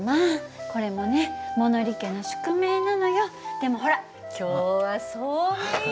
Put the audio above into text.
でもほら今日はそうめんよ。